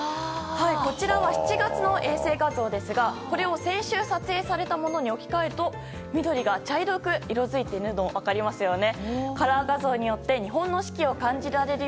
こちらは７月の衛星画像ですがこれを先週、撮影されたものに置き換えると緑が茶色く色づいているのが分かりますよね。